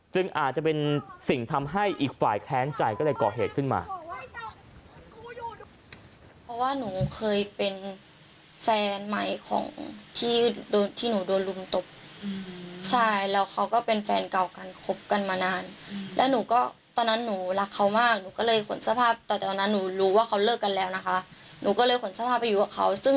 อาจจะเป็นสิ่งทำให้อีกฝ่ายแค้นใจก็เลยก่อเหตุขึ้นมา